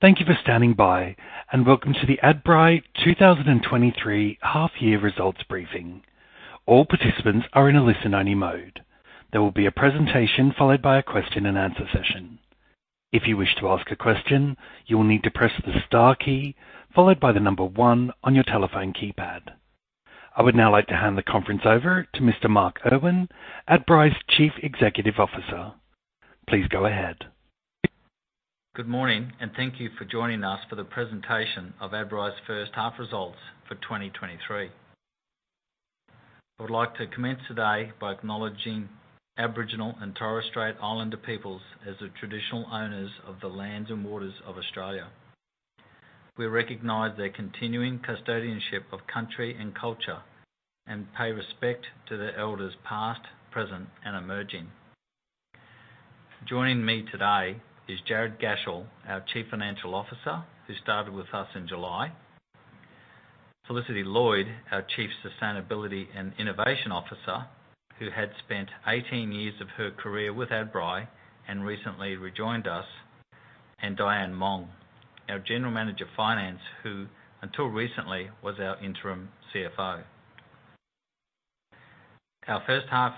Thank you for standing by, and welcome to the Adbri 2023 half year results briefing. All participants are in a listen-only mode. There will be a presentation followed by a question and answer session. If you wish to ask a question, you will need to press the star key followed by the number 1 on your telephone keypad. I would now like to hand the conference over to Mr. Mark Irwin, Adbri's Chief Executive Officer. Please go ahead. Good morning, and thank you for joining us for the presentation of Adbri's first half results for 2023. I would like to commence today by acknowledging Aboriginal and Torres Strait Islander peoples as the traditional owners of the lands and waters of Australia. We recognize their continuing custodianship of country and culture, and pay respect to the elders past, present, and emerging. Joining me today is Jared Gashel, our Chief Financial Officer, who started with us in July, Felicity Lloyd, our Chief Sustainability and Innovation Officer, who had spent 18 years of her career with Adbri and recently rejoined us, and Dianne Mong, our General Manager of Finance, who until recently was our interim CFO. Our first half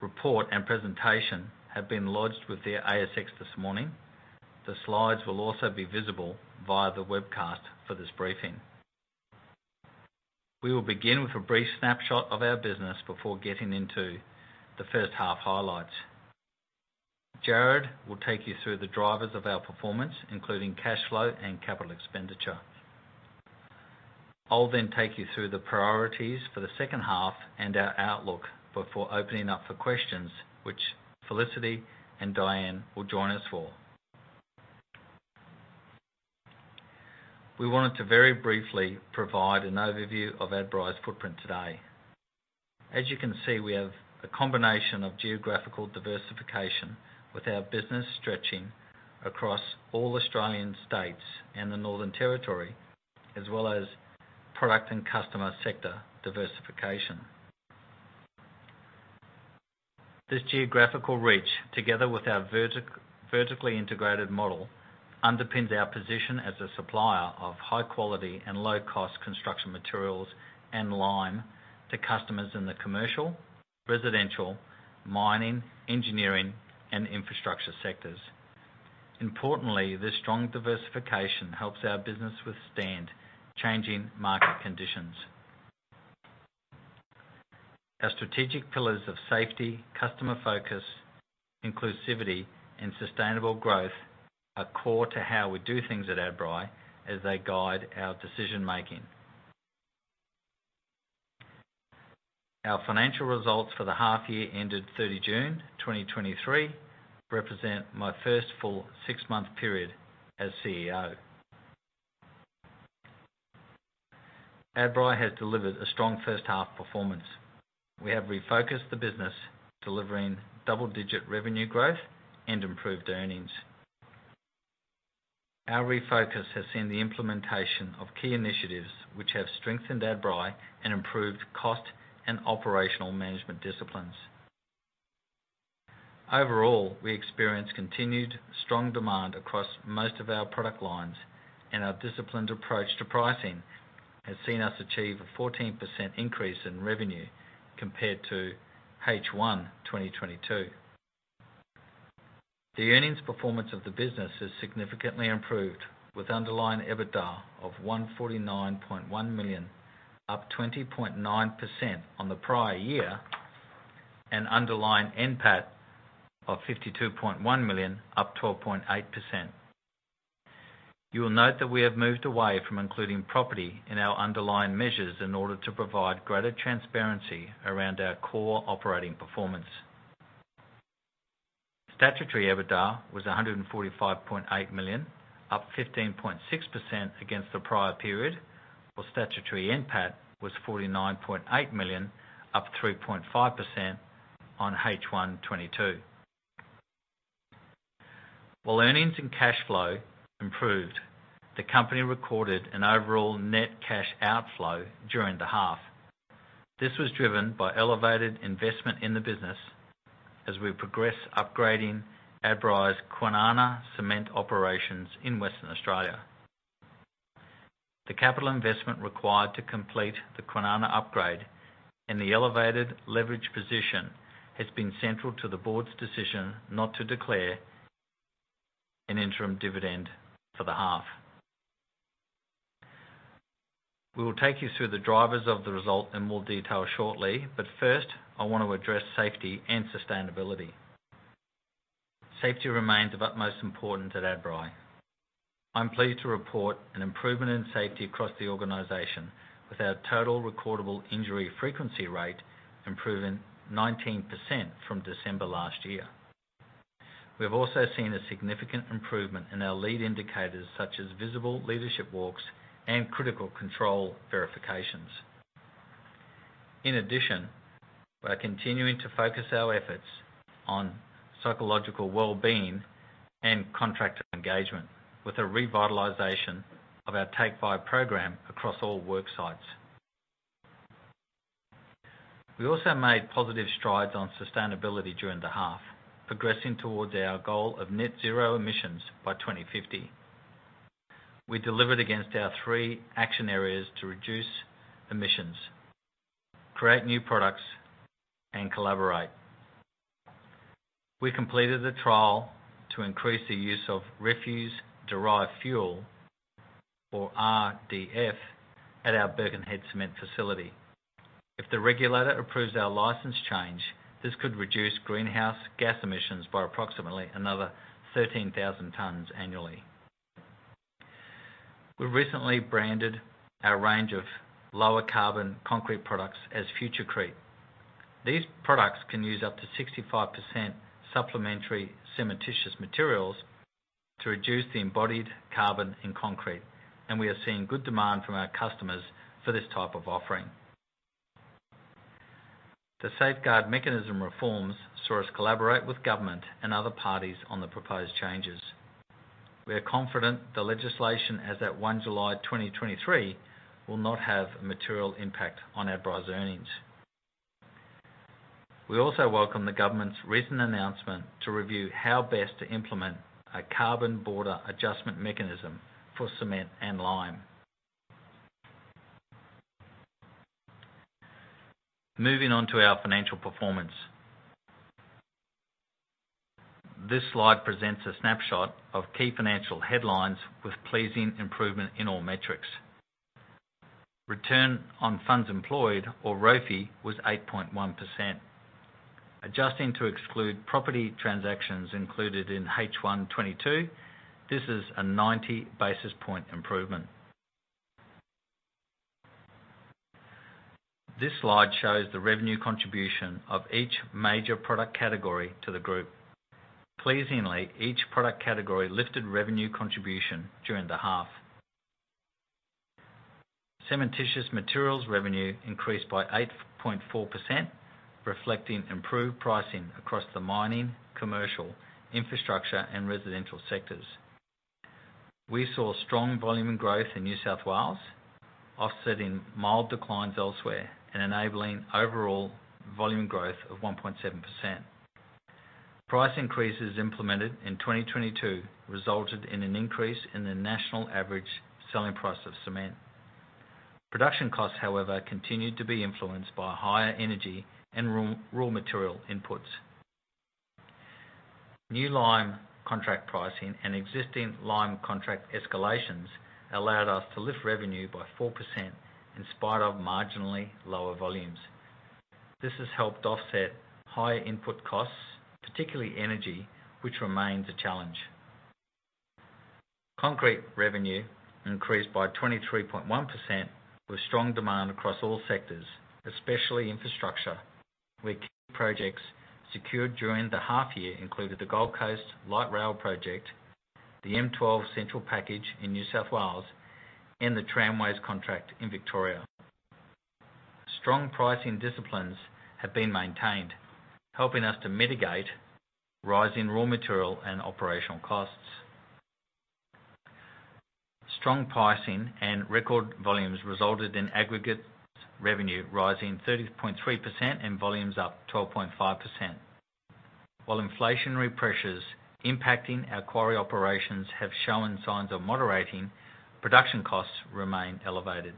report and presentation have been lodged with the ASX this morning. The slides will also be visible via the webcast for this briefing. We will begin with a brief snapshot of our business before getting into the first half highlights. Jared will take you through the drivers of our performance, including cash flow and capital expenditure. I'll then take you through the priorities for the second half and our outlook before opening up for questions, which Felicity and Dianne will join us for. We wanted to very briefly provide an overview of Adbri's footprint today. As you can see, we have a combination of geographical diversification, with our business stretching across all Australian states and the Northern Territory, as well as product and customer sector diversification. This geographical reach, together with our vertically integrated model, underpins our position as a supplier of high quality and low-cost construction materials and lime to customers in the commercial, residential, mining, engineering, and infrastructure sectors. Importantly, this strong diversification helps our business withstand changing market conditions. Our strategic pillars of safety, customer focus, inclusivity, and sustainable growth are core to how we do things at Adbri as they guide our decision making. Our financial results for the half year ended 30 June 2023, represent my first full six-month period as CEO. Adbri has delivered a strong first half performance. We have refocused the business, delivering double-digit revenue growth and improved earnings. Our refocus has seen the implementation of key initiatives which have strengthened Adbri and improved cost and operational management disciplines. Overall, we experienced continued strong demand across most of our product lines, and our disciplined approach to pricing has seen us achieve a 14% increase in revenue compared to H1 2022. The earnings performance of the business has significantly improved, with underlying EBITDA of 149.1 million, up 20.9% on the prior year, and underlying NPAT of 52.1 million, up 12.8%. You will note that we have moved away from including property in our underlying measures in order to provide greater transparency around our core operating performance. Statutory EBITDA was 145.8 million, up 15.6% against the prior period, while statutory NPAT was 49.8 million, up 3.5% on H1 2022. While earnings and cash flow improved, the company recorded an overall net cash outflow during the half. This was driven by elevated investment in the business as we progress upgrading Adbri's Kwinana cement operations in Western Australia. The capital investment required to complete the Kwinana upgrade and the elevated leverage position has been central to the board's decision not to declare an interim dividend for the half. We will take you through the drivers of the result in more detail shortly, but first, I want to address safety and sustainability. Safety remains of utmost importance at Adbri. I'm pleased to report an improvement in safety across the organization, with our total recordable injury frequency rate improving 19% from December last year. We have also seen a significant improvement in our lead indicators, such as visible leadership walks and critical control verifications. In addition, we are continuing to focus our efforts on psychological well-being and contractor engagement, with a revitalization of our Take 5 Program across all work sites.... We also made positive strides on sustainability during the half, progressing towards our goal of net zero emissions by 2050. We delivered against our three action areas to reduce emissions, create new products, and collaborate. We completed a trial to increase the use of refuse-derived fuel, or RDF, at our Birkenhead cement facility. If the regulator approves our license change, this could reduce greenhouse gas emissions by approximately another 13,000 tons annually. We recently branded our range of lower carbon concrete products as Futurecrete. These products can use up to 65% supplementary cementitious materials to reduce the embodied carbon in concrete, and we are seeing good demand from our customers for this type of offering. The Safeguard Mechanism reforms saw us collaborate with government and other parties on the proposed changes. We are confident the legislation, as at 1 July 2023, will not have a material impact on our broad earnings. We also welcome the government's recent announcement to review how best to implement a carbon border adjustment mechanism for cement and lime. Moving on to our financial performance. This slide presents a snapshot of key financial headlines with pleasing improvement in all metrics. Return on funds employed, or ROFE, was 8.1%. Adjusting to exclude property transactions included in H1 22, this is a 90 basis point improvement. This slide shows the revenue contribution of each major product category to the group. Pleasingly, each product category lifted revenue contribution during the half. Cementitious materials revenue increased by 8.4%, reflecting improved pricing across the mining, commercial, infrastructure, and residential sectors. We saw strong volume growth in New South Wales, offsetting mild declines elsewhere and enabling overall volume growth of 1.7%. Price increases implemented in 2022 resulted in an increase in the national average selling price of cement. Production costs, however, continued to be influenced by higher energy and raw material inputs. New lime contract pricing and existing lime contract escalations allowed us to lift revenue by 4% in spite of marginally lower volumes. This has helped offset higher input costs, particularly energy, which remains a challenge. Concrete revenue increased by 23.1%, with strong demand across all sectors, especially infrastructure, where key projects secured during the half year included the Gold Coast Light Rail project, the M12 Central package in New South Wales, and the Tramways contract in Victoria. Strong pricing disciplines have been maintained, helping us to mitigate rising raw material and operational costs. Strong pricing and record volumes resulted in aggregates revenue rising 30.3% and volumes up 12.5%. While inflationary pressures impacting our quarry operations have shown signs of moderating, production costs remain elevated.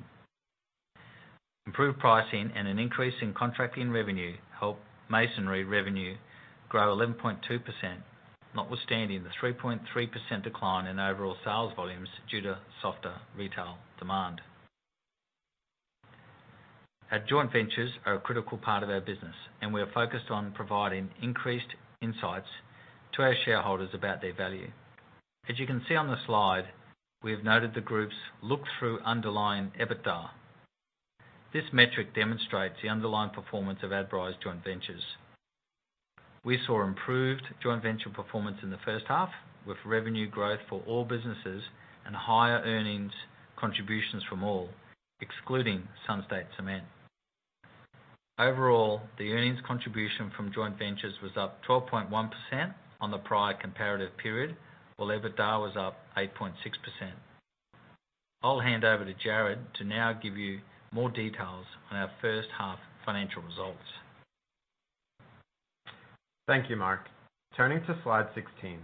Improved pricing and an increase in contracting revenue helped masonry revenue grow 11.2%, notwithstanding the 3.3% decline in overall sales volumes due to softer retail demand. Our joint ventures are a critical part of our business, and we are focused on providing increased insights to our shareholders about their value. As you can see on the slide, we have noted the group's look-through underlying EBITDA. This metric demonstrates the underlying performance of Adbri's joint ventures. We saw improved joint venture performance in the first half, with revenue growth for all businesses and higher earnings contributions from all, excluding Sunstate Cement. Overall, the earnings contribution from joint ventures was up 12.1% on the prior comparative period, while EBITDA was up 8.6%. I'll hand over to Jared to now give you more details on our first half financial results. Thank you, Mark. Turning to slide 16.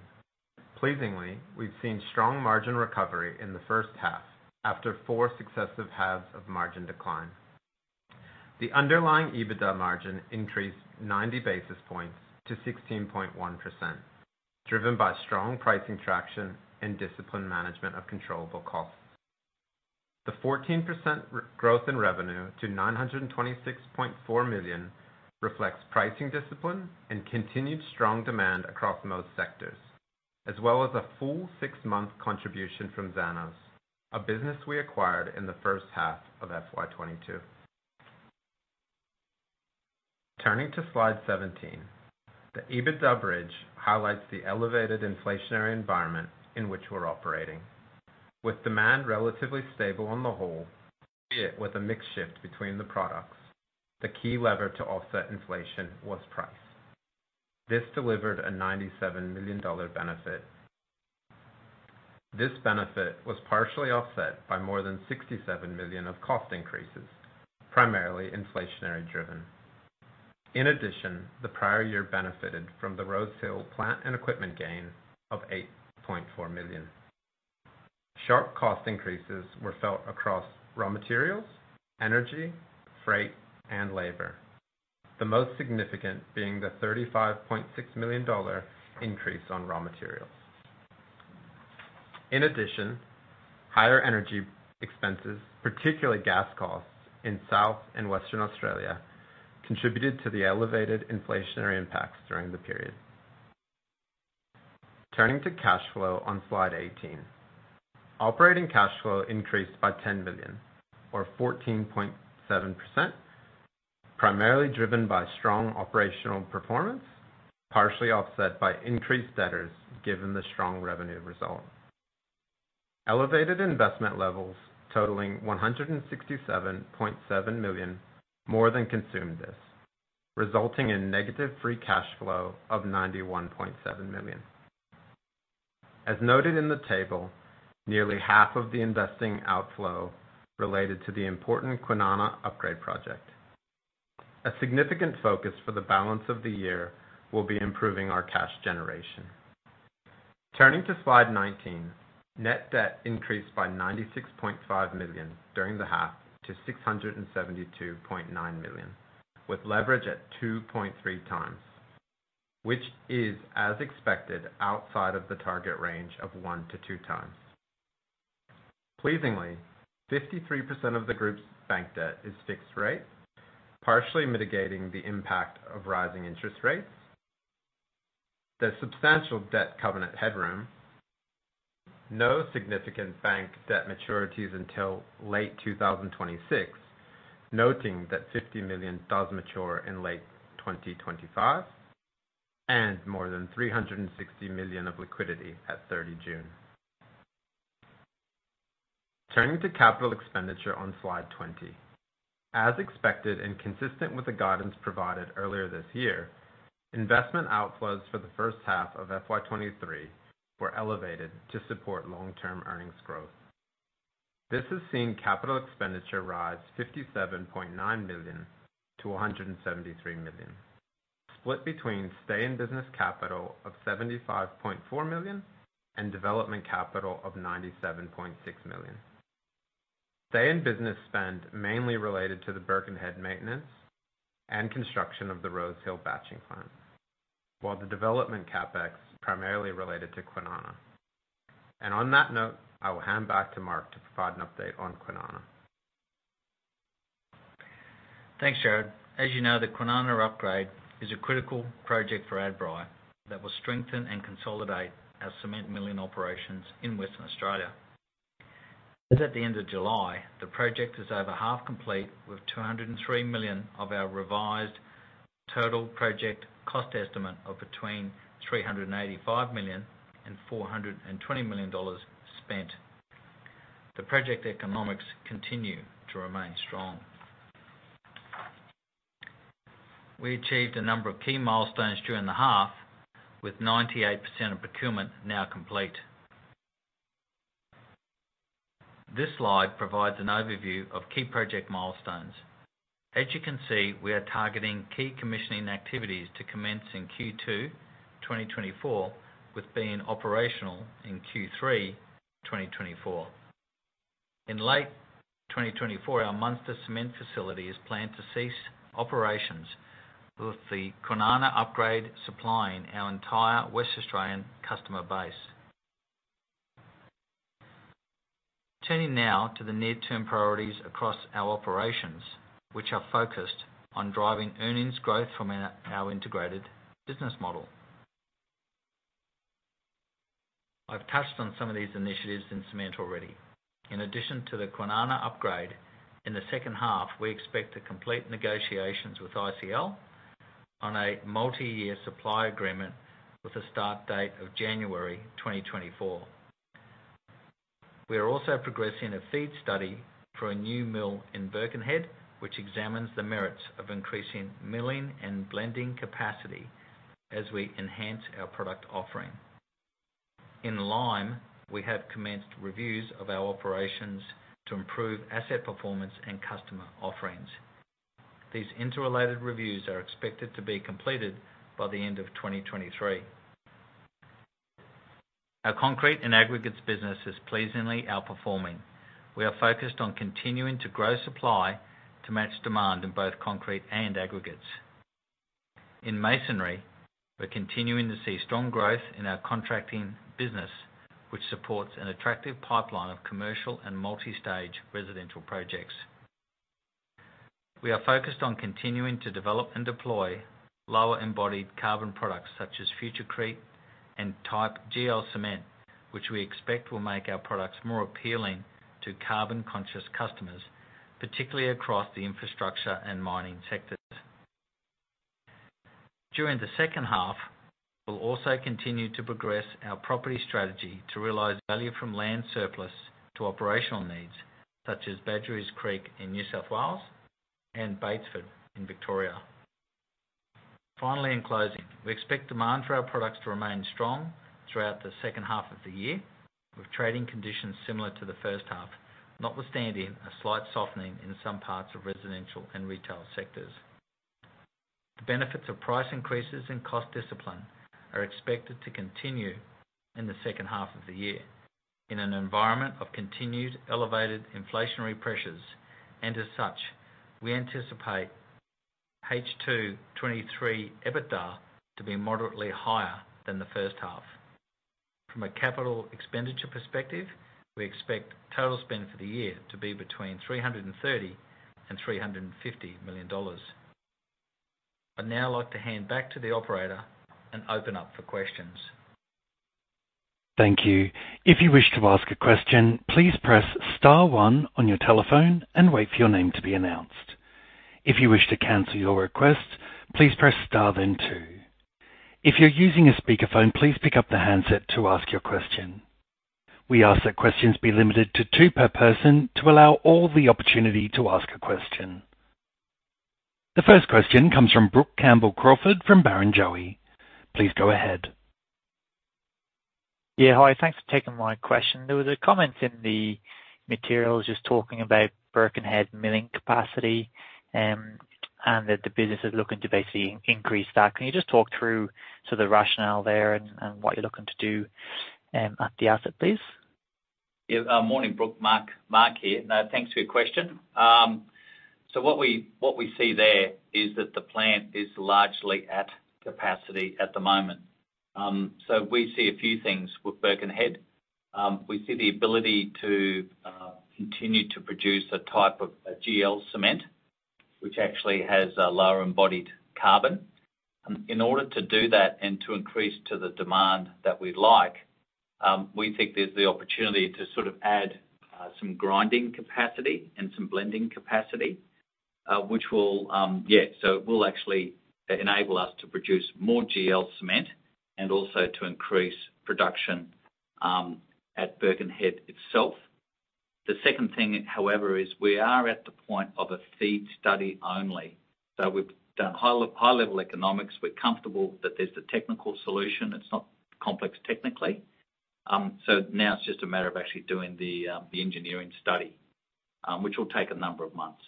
Pleasingly, we've seen strong margin recovery in the first half after 4 successive halves of margin decline. The underlying EBITDA margin increased 90 basis points to 16.1%, driven by strong pricing traction and disciplined management of controllable costs. The 14% growth in revenue to 926.4 million reflects pricing discipline and continued strong demand across most sectors, as well as a full 6-month contribution from Zanows, a business we acquired in the first half of FY 2022. Turning to slide 17, the EBITDA bridge highlights the elevated inflationary environment in which we're operating. With demand relatively stable on the whole, be it with a mix shift between the products, the key lever to offset inflation was price. This delivered a 97 million dollar benefit. This benefit was partially offset by more than 67 million of cost increases, primarily inflationary driven. In addition, the prior year benefited from the Rosehill plant and equipment gain of 8.4 million. Sharp cost increases were felt across raw materials, energy, freight, and labor. The most significant being the 35.6 million dollar increase on raw materials. In addition, higher energy expenses, particularly gas costs in South Australia and Western Australia, contributed to the elevated inflationary impacts during the period. Turning to cash flow on slide 18. Operating cash flow increased by 10 million or 14.7%, primarily driven by strong operational performance, partially offset by increased debtors, given the strong revenue result. Elevated investment levels totaling 167.7 million more than consumed this, resulting in negative free cash flow of 91.7 million. As noted in the table, nearly half of the investing outflow related to the important Kwinana upgrade project. A significant focus for the balance of the year will be improving our cash generation. Turning to slide 19, net debt increased by 96.5 million during the half to 672.9 million, with leverage at 2.3 times, which is, as expected, outside of the target range of 1-2 times. Pleasingly, 53% of the group's bank debt is fixed rate, partially mitigating the impact of rising interest rates. The substantial debt covenant headroom, no significant bank debt maturities until late 2026, noting that 50 million does mature in late 2025, and more than 360 million of liquidity at 30 June. Turning to capital expenditure on slide 20. As expected, and consistent with the guidance provided earlier this year, investment outflows for the first half of FY 2023 were elevated to support long-term earnings growth. This has seen capital expenditure rise 57.9 million to 173 million, split between stay in business capital of 75.4 million, and development capital of 97.6 million. Stay in business spend mainly related to the Birkenhead maintenance and construction of the Rosehill batching plant, while the development CapEx primarily related to Kwinana. On that note, I will hand back to Mark to provide an update on Kwinana. Thanks, Jared. As you know, the Kwinana upgrade is a critical project for Adbri that will strengthen and consolidate our cement milling operations in Western Australia. As at the end of July, the project is over half complete, with 203 million of our revised total project cost estimate of between 385 million and 420 million dollars spent. The project economics continue to remain strong. We achieved a number of key milestones during the half, with 98% of procurement now complete. This slide provides an overview of key project milestones. As you can see, we are targeting key commissioning activities to commence in Q2 2024, with being operational in Q3 2024. In late 2024, our Munster cement facility is planned to cease operations, with the Kwinana upgrade supplying our entire West Australian customer base. Turning now to the near-term priorities across our operations, which are focused on driving earnings growth from our integrated business model. I've touched on some of these initiatives in cement already. In addition to the Kwinana upgrade, in the second half, we expect to complete negotiations with ICL on a multi-year supply agreement with a start date of January 2024. We are also progressing a feed study for a new mill in Birkenhead, which examines the merits of increasing milling and blending capacity as we enhance our product offering. In lime, we have commenced reviews of our operations to improve asset performance and customer offerings. These interrelated reviews are expected to be completed by the end of 2023. Our concrete and aggregates business is pleasingly outperforming. We are focused on continuing to grow supply to match demand in both concrete and aggregates. In masonry, we're continuing to see strong growth in our contracting business, which supports an attractive pipeline of commercial and multi-stage residential projects. We are focused on continuing to develop and deploy lower embodied carbon products, such as Futurecrete and Type GL Cement, which we expect will make our products more appealing to carbon-conscious customers, particularly across the infrastructure and mining sectors. During the second half, we'll also continue to progress our property strategy to realize value from land surplus to operational needs, such as Badgerys Creek in New South Wales and Batesford in Victoria. Finally, in closing, we expect demand for our products to remain strong throughout the second half of the year, with trading conditions similar to the first half, notwithstanding a slight softening in some parts of residential and retail sectors. The benefits of price increases and cost discipline are expected to continue in the second half of the year, in an environment of continued elevated inflationary pressures. And as such, we anticipate H2 2023 EBITDA to be moderately higher than the first half. From a capital expenditure perspective, we expect total spend for the year to be between 330 million and 350 million dollars. I'd now like to hand back to the operator and open up for questions. Thank you. If you wish to ask a question, please press star one on your telephone and wait for your name to be announced. If you wish to cancel your request, please press star, then two. If you're using a speakerphone, please pick up the handset to ask your question. We ask that questions be limited to two per person to allow all the opportunity to ask a question. The first question comes from Brook Campbell-Crawford from Barrenjoey. Please go ahead. Yeah, hi. Thanks for taking my question. There was a comment in the materials just talking about Birkenhead milling capacity, and that the business is looking to basically increase that. Can you just talk through sort of the rationale there and, and what you're looking to do, at the asset, please? Yeah. Morning, Brook. Mark here. Thanks for your question. So what we see there is that the plant is largely at capacity at the moment. So we see a few things with Birkenhead. We see the ability to continue to produce a type of a GL cement, which actually has a lower embodied carbon. In order to do that and to increase to the demand that we'd like, we think there's the opportunity to sort of add some grinding capacity and some blending capacity, which will, yeah, so it will actually enable us to produce more GL cement and also to increase production at Birkenhead itself. The second thing, however, is we are at the point of a feed study only. So we've done high-level economics. We're comfortable that there's the technical solution. It's not complex technically. So now it's just a matter of actually doing the engineering study, which will take a number of months.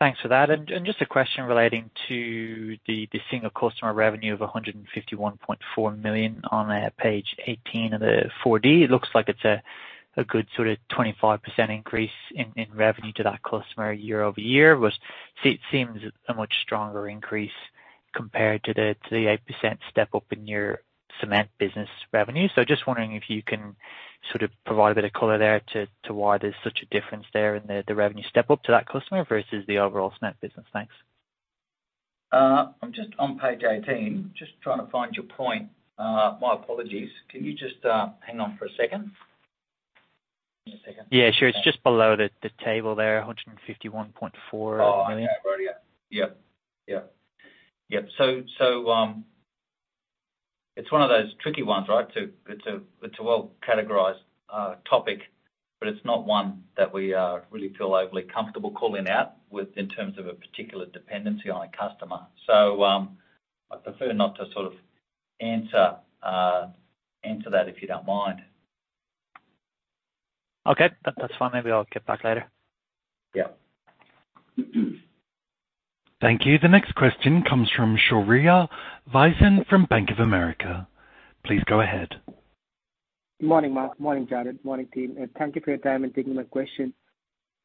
Thanks for that. Just a question relating to the single customer revenue of 151.4 million on page 18 of the 4D. It looks like it's a good sort of 25% increase in revenue to that customer year-over-year, which seems a much stronger increase compared to the 8% step-up in your cement business revenue. So just wondering if you can sort of provide a bit of color there to why there's such a difference there in the revenue step-up to that customer versus the overall cement business. Thanks. I'm just on page 18, just trying to find your point. My apologies. Can you just hang on for a second? Just a second. Yeah, sure. It's just below the table there, 151.4 million. Oh, okay. Right. Yeah. Yep. Yeah. Yep. So, it's one of those tricky ones, right? It's a well-categorized topic, but it's not one that we really feel overly comfortable calling out with, in terms of a particular dependency on a customer. So, I'd prefer not to sort of answer that, if you don't mind. Okay. That, that's fine. Maybe I'll get back later. Yeah. Thank you. The next question comes from Shaurya Visen from Bank of America. Please go ahead. Good morning, Mark. Morning, Jared. Morning, team, and thank you for your time and taking my question.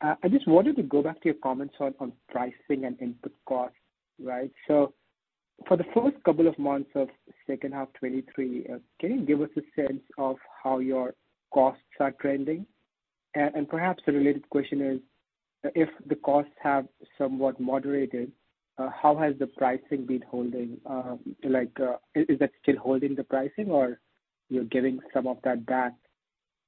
I just wanted to go back to your comments on, on pricing and input costs, right? So for the first couple of months of second half 2023, can you give us a sense of how your costs are trending? And, and perhaps a related question is, if the costs have somewhat moderated, how has the pricing been holding? Like, is, is that still holding the pricing, or you're giving some of that back?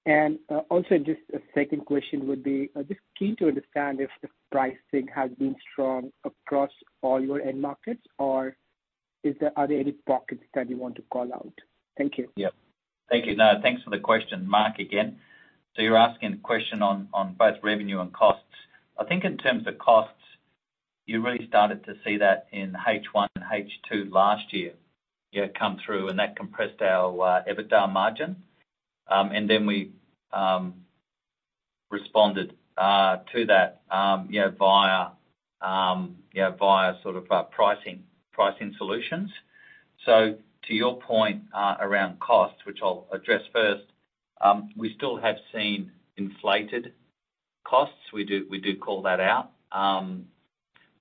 And, also, just a second question would be, I'm just keen to understand if the pricing has been strong across all your end markets, or is there, are there any pockets that you want to call out? Thank you. Yep. Thank you. No, thanks for the question, Mark, again. You're asking a question on both revenue and costs. I think in terms of costs, you really started to see that in H1 and H2 last year, yeah, come through, and that compressed our EBITDA margin, and then we responded to that via sort of pricing solutions. To your point around costs, which I'll address first, we still have seen inflated costs. We do, call that out,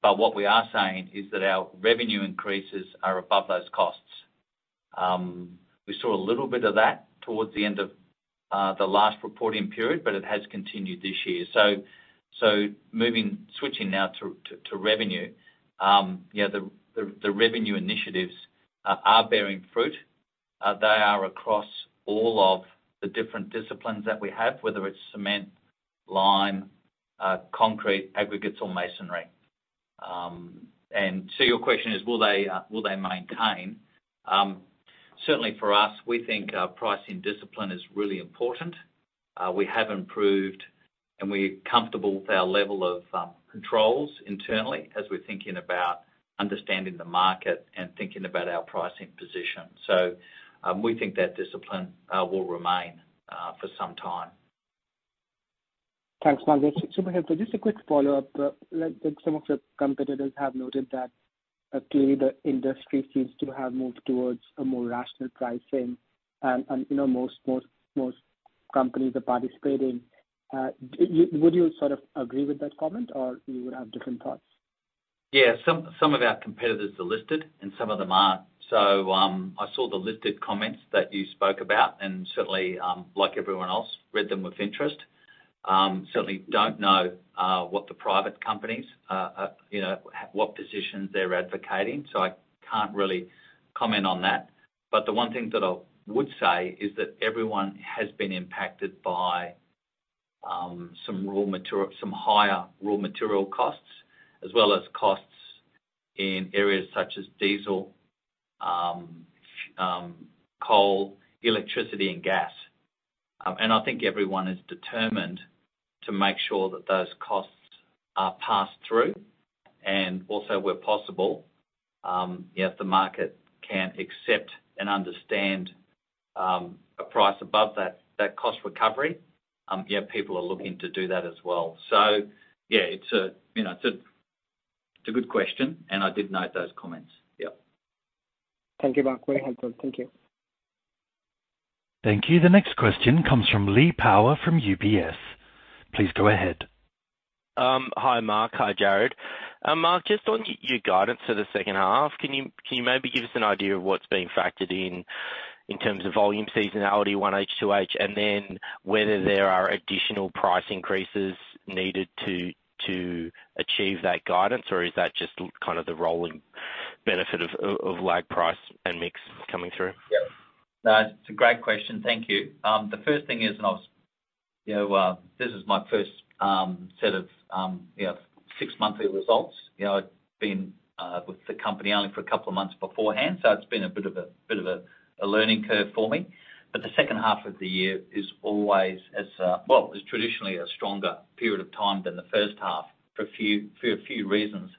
but what we are saying is that our revenue increases are above those costs. We saw a little bit of that towards the end of the last reporting period, but it has continued this year. Switching now to revenue, yeah, the revenue initiatives are bearing fruit. They are across all of the different disciplines that we have, whether it's cement, lime, concrete, aggregates, or masonry. Your question is, will they maintain? Certainly for us, we think our pricing discipline is really important. We have improved, and we're comfortable with our level of controls internally as we're thinking about understanding the market and thinking about our pricing position. So, we think that discipline will remain for some time. Thanks, Mark. Just a quick follow-up. Like some of the competitors have noted that clearly the industry seems to have moved towards a more rational pricing, and you know, most companies are participating. Would you sort of agree with that comment, or you would have different thoughts? Yeah, some of our competitors are listed and some of them aren't, so, I saw the listed comments that you spoke about, and certainly, like everyone else, read them with interest. Certainly don't know, what the private companies, you know, what positions they're advocating, so I can't really comment on that, but the one thing that I would say is that everyone has been impacted by, some higher raw material costs, as well as costs in areas such as diesel, coal, electricity and gas. Everyone is determined to make sure that those costs are passed through, and also, where possible, if the market can accept and understand, a price above that, that cost recovery, yeah, people are looking to do that as well. Yeah, it's a, you know, it's a, it's a good question, and I did note those comments. Yep. Thank you, Mark. Very helpful. Thank you. Thank you. The next question comes from Lee Power, from UBS. Please go ahead. Hi, Mark. Hi, Jared. Mark, just on your guidance for the second half, can you maybe give us an idea of what's being factored in, in terms of volume seasonality, 1H to H, and then whether there are additional price increases needed to achieve that guidance? Or is that just kind of the rolling benefit of lag price and mix coming through? Yeah. That's a great question. Thank you. The first thing is, this is my first set of six monthly results. You know, I've been with the company only for a couple of months beforehand, so it's been a bit of a, bit of a, a learning curve for me, but the second half of the year is always as, well, as traditionally a stronger period of time than the first half, for a few reasons.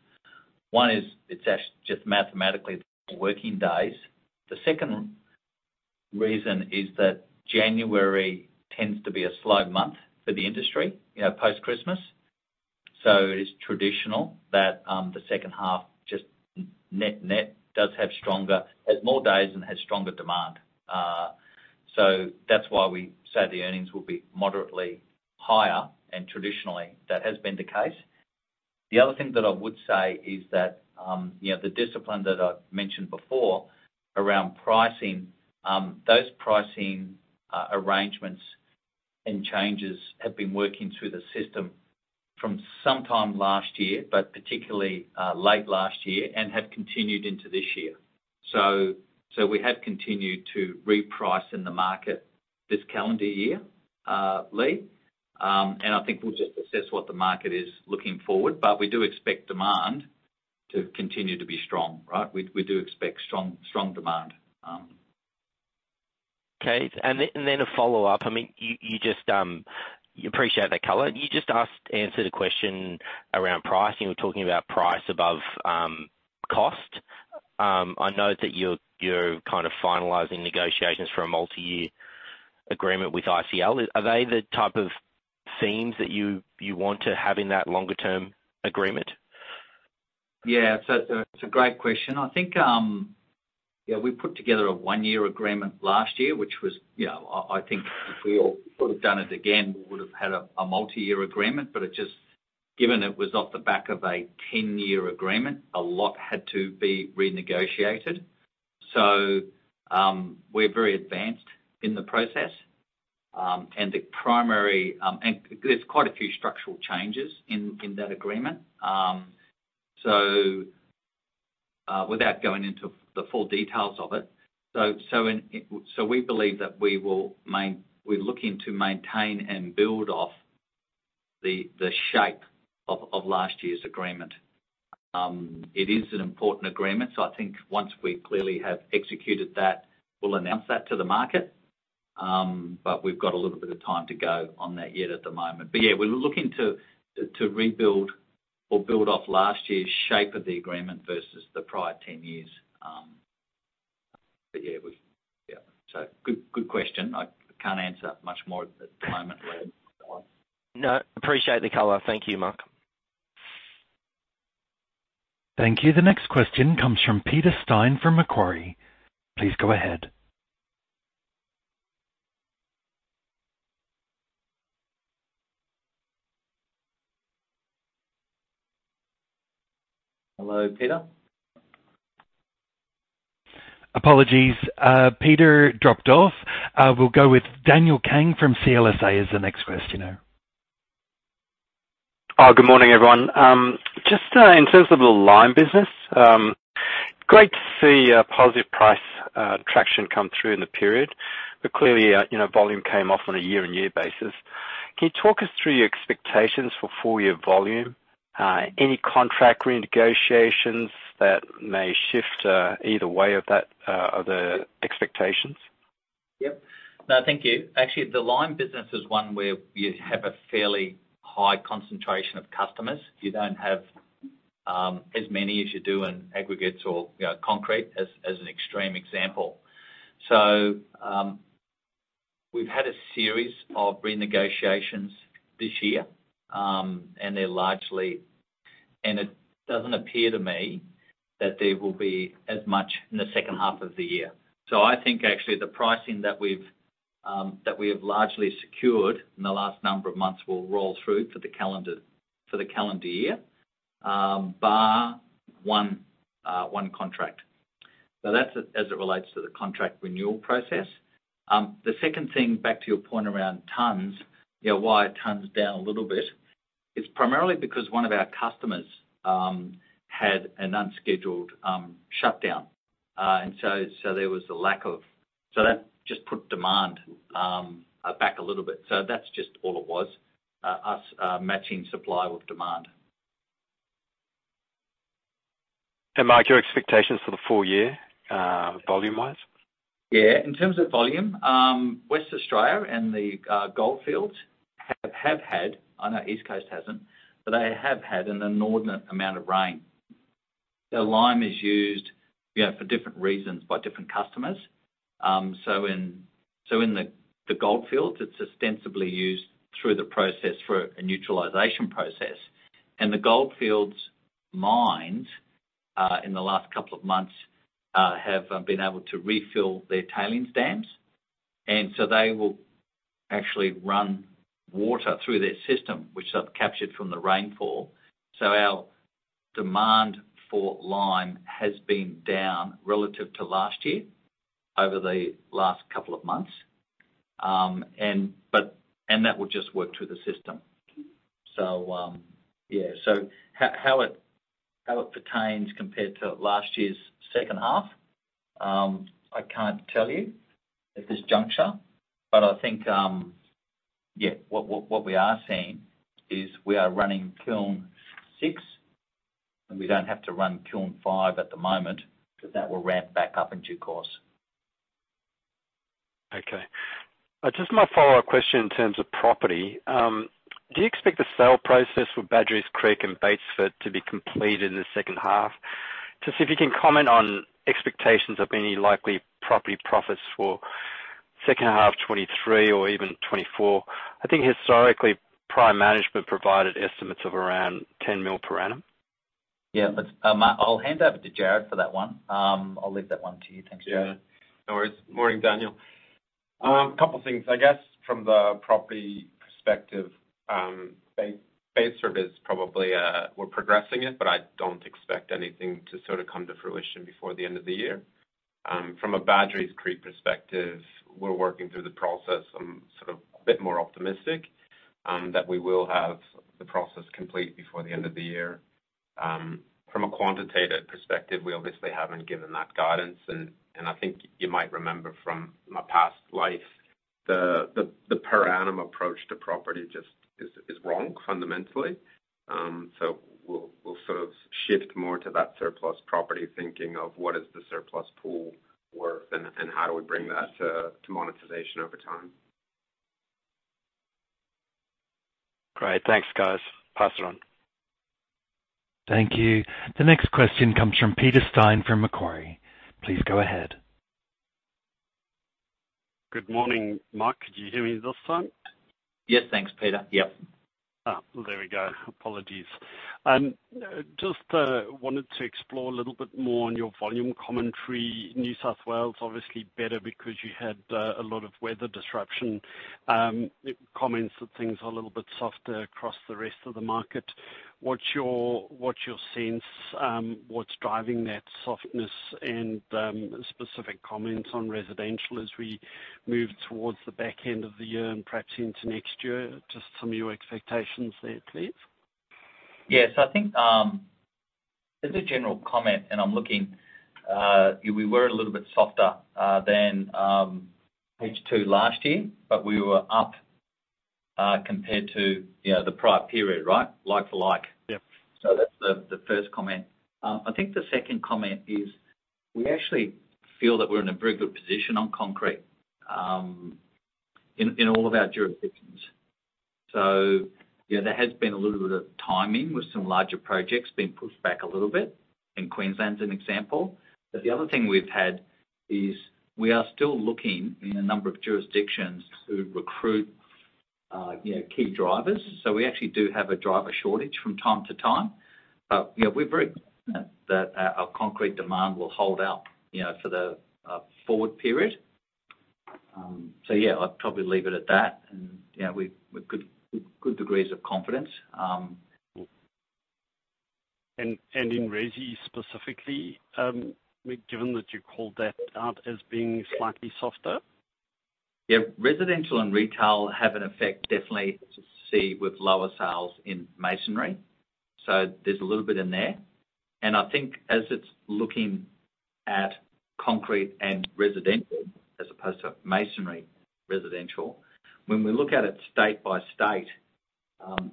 One is, it's actually just mathematically working days. The second reason is that January tends to be a slow month for the industry, you know, post-Christmas, so it is traditional that, the second half, just net-net, does have stronger, has more days and has stronger demand. That's why we say the earnings will be moderately higher, and traditionally, that has been the case. The other thing that I would say is that, you know, the discipline that I've mentioned before around pricing, those pricing arrangements and changes have been working through the system from sometime last year, but particularly late last year, and have continued into this year. So we have continued to reprice in the market this calendar year, Lee, and I think we'll just assess what the market is looking forward. But we do expect demand to continue to be strong, right? We do expect strong, strong demand. Okay. Then a follow-up. I mean, you appreciate that color. You just answered a question around pricing. We're talking about price above cost. I know that you're kind of finalizing negotiations for a multi-year agreement with ICL. Are they the type of themes that you want to have in that longer term agreement? Yeah, so it's a great question. We put together a 1-year agreement last year, which was, I think if we all would have done it again, we would've had a multi-year agreement, but it just, given it was off the back of a 10-year agreement, a lot had to be renegotiated. So, we're very advanced in the process, and the primary, and there's quite a few structural changes in that agreement. Without going into the full details of it, so we believe that we're looking to maintain and build off the shape of last year's agreement. It is an important agreement, so I think once we clearly have executed that, we'll announce that to the market. We've got a little bit of time to go on that yet at the moment, but yeah, we're looking to rebuild or build off last year's shape of the agreement versus the prior ten years, but yeah, Yeah, so good, good question. I can't answer much more at the moment where- No, appreciate the color. Thank you, Mark. Thank you. The next question comes from Peter Steyn, from Macquarie. Please go ahead. Hello, Peter? Apologies, Peter dropped off. We'll go with Daniel Kang from CLSA, is the next questioner. Good morning, everyone. Just, in terms of the lime business, great to see positive price traction come through in the period, but clearly, you know, volume came off on a year-on-year basis. Can you talk us through your expectations for full year volume? Any contract renegotiations that may shift, either way of that, of the expectations? Yep. No, thank you. Actually, the lime business is one where you have a fairly high concentration of customers. You don't have as many as you do in aggregates or as an extreme example, so we've had a series of renegotiations this year, and they're largely and it doesn't appear to me that there will be as much in the second half of the year. Actually the pricing that we've that we have largely secured in the last number of months will roll through for the calendar, for the calendar year, bar one one contract, so that's as it relates to the contract renewal process. The second thing, back to your point around tons, you know, why tons down a little bit, is primarily because one of our customers had an unscheduled shutdown. That just put demand back a little bit. So that's just all it was, us matching supply with demand. Mark, your expectations for the full year, volume-wise? Yeah. In terms of volume, Western Australia and the Goldfields have had, I know East Coast hasn't, but they have had an inordinate amount of rain. The lime is used for different reasons by different customers. In the Goldfields, it's ostensibly used through the process for a neutralization process, and the Goldfields mines in the last couple of months have been able to refill their tailings dams, and so they will actually run water through their system, which they've captured from the rainfall. Our demand for lime has been down relative to last year, over the last couple of months. And that will just work through the system. How it pertains compared to last year's second half, I can't tell you at this juncture, but I think, yeah, what we are seeing is we are running kiln six, and we don't have to run kiln five at the moment, but that will ramp back up in due course. Okay. Just my follow-up question in terms of property. Do you expect the sale process for Badgerys Creek and Batesford to be completed in the second half? Just if you can comment on expectations of any likely property profits for second half 2023 or even 2024. I think historically, prior management provided estimates of around 10 million per annum. Yeah, that's. I'll hand over to Jared for that one. I'll leave that one to you. Thanks, Jared. Yeah. No worries. Morning, Daniel. Couple of things. I guess, from the property perspective, Batesford is probably, we're progressing it, but I don't expect anything to sort of come to fruition before the end of the year. From a Badgerys Creek perspective, we're working through the process. I'm sort of a bit more optimistic that we will have the process complete before the end of the year. From a quantitative perspective, we obviously haven't given that guidance, and I think you might remember from my past life, the per annum approach to property just is wrong fundamentally. We'll sort of shift more to that surplus property, thinking of what is the surplus pool worth and how do we bring that to monetization over time. Great. Thanks, guys. Pass it on. Thank you. The next question comes from Peter Steyn, from Macquarie. Please go ahead. Good morning, Mark. Can you hear me this time? Yes. Thanks, Peter. Yep. Ah, there we go. Apologies. Just wanted to explore a little bit more on your volume commentary. New South Wales, obviously better because you had a lot of weather disruption. Comments that things are a little bit softer across the rest of the market. What's your sense, what's driving that softness? And specific comments on residential as we move towards the back end of the year and perhaps into next year. Just some of your expectations there, please. Yes, I think, as a general comment, and I'm looking, we were a little bit softer than H2 last year, but we were up compared to, you know, the prior period, right? Like for like. Yep. That's the first comment. I think the second comment is, we actually feel that we're in a very good position on concrete in all of our jurisdictions, so yeah, there has been a little bit of timing, with some larger projects being pushed back a little bit, and Queensland's an example. The other thing we've had is, we are still looking in a number of jurisdictions to recruit, you know, key drivers., so we actually do have a driver shortage from time to time. e're very confident that our concrete demand will hold up, you know, for the forward period. So yeah, I'd probably leave it at that. And, you know, we've good degrees of confidence. And in resi specifically, given that you called that out as being slightly softer? Yeah, residential and retail have an effect, definitely to see with lower sales in masonry, so there's a little bit in there. As it's looking at concrete and residential, as opposed to masonry residential. When we look at it state by state,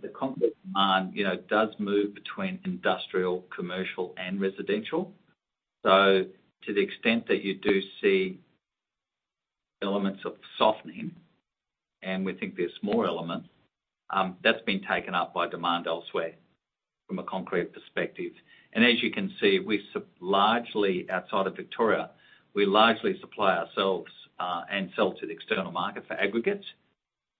the concrete demand does move between industrial, commercial, and residential. To the extent that you do see elements of softening, and we think there's more elements, that's been taken up by demand elsewhere from a concrete perspective. As you can see, we largely supply ourselves outside of Victoria, largely sell to the external market for aggregates.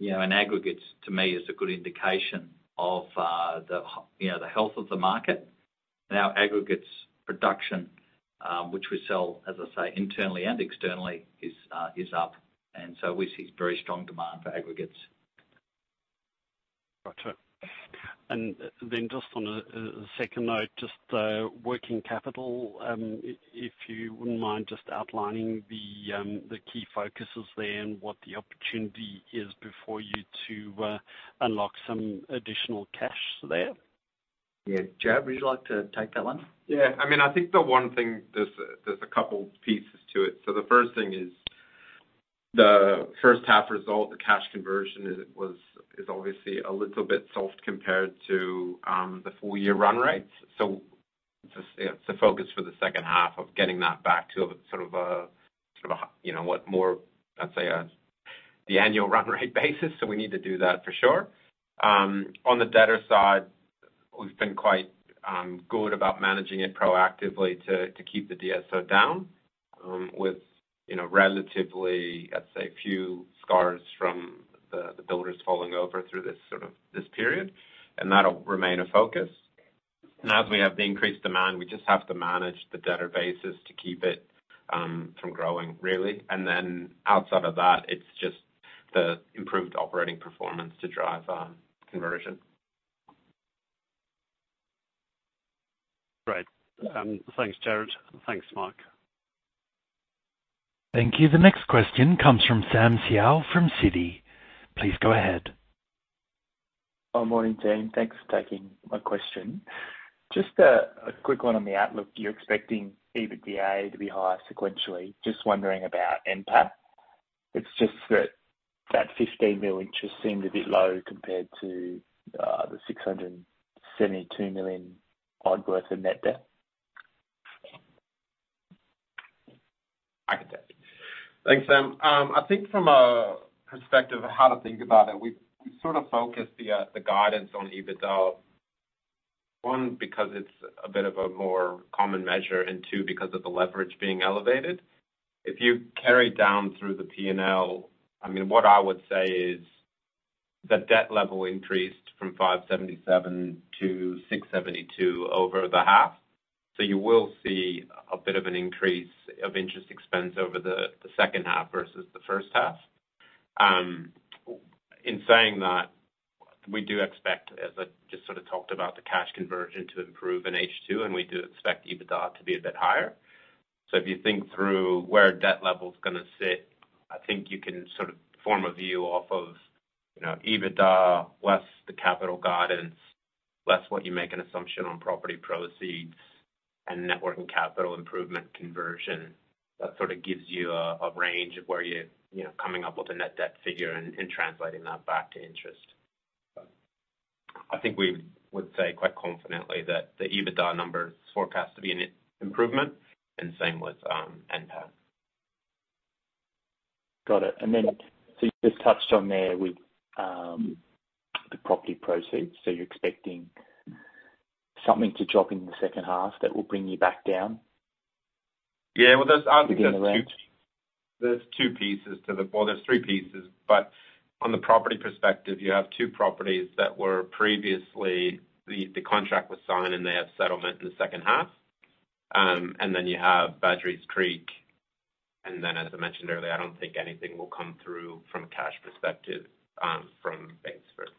Aggregates, to me, is a good indication of the health of the market. Now, aggregates production, which we sell, as I say, internally and externally, is up, and so we see very strong demand for aggregates. Gotcha. Then just on a second note, just working capital, if you wouldn't mind just outlining the key focuses there and what the opportunity is before you to unlock some additional cash there? Yeah. Jared, would you like to take that one? Yeah. I mean, I think the one thing is there's a couple pieces to it. So the first thing is the first half result, the cash conversion is, it was, is obviously a little bit soft compared to the full year run rates. It's a focus for the second half of getting that back to sort of a, you know, let's say, the annual run rate basis, so we need to do that for sure. On the debtor side, we've been quite good about managing it proactively to keep the DSO down, with, you know, relatively, I'd say, few scars from the builders falling over through this sort of this period, and that'll remain a focus. As we have the increased demand, we just have to manage the debtor basis to keep it from growing really. Then outside of that, it's just the improved operating performance to drive conversion. Great. Thanks, Jared. Thanks, Mark. Thank you. The next question comes from Sam Seow from Citi. Please go ahead. Good morning, team. Thanks for taking my question. Just a quick one on the outlook. You're expecting EBITDA to be higher sequentially. Just wondering about NPAT. It's just that fifteen million just seemed a bit low compared to the six hundred and seventy-two million odd worth of net debt. I can take it. Thanks, Sam. I think from a perspective of how to think about it, we've sort of focused the guidance on EBITDA, one, because it's a bit of a more common measure, and two, because of the leverage being elevated. If you carry down through the P&L, I mean, what I would say is the debt level increased from 577 to 672 over the half, so you will see a bit of an increase of interest expense over the second half versus the first half. In saying that, we do expect, as I just sort of talked about, the cash conversion to improve in H2, and we do expect EBITDA to be a bit higher. If you think through where debt level's gonna sit, I think you can sort of form a view off of, you know, EBITDA, less the capital guidance, less what you make an assumption on property proceeds and net working capital improvement conversion. That sort of gives you a range of where you're, you know, coming up with a net debt figure and translating that back to interest. I think we would say quite confidently that the EBITDA number forecast to be an improvement, and same with NPAT. Got it. Then, so you just touched on there with, the property proceeds, so you're expecting something to drop in the second half that will bring you back down? Yeah, well, there's obviously- Again, around. There's two pieces to the, well, there's three pieces, but on the property perspective, you have two properties that were previously, the contract was signed, and they have settlement in the second half. Then you have Badgerys Creek, and then, as I mentioned earlier, I don't think anything will come through from a cash perspective, from Batesford.